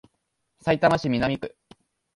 さいたま市南区